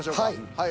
はい。